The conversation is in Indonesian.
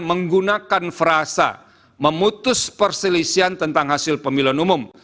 menggunakan frasa memutus perselisian tentang hasil pemilihan umum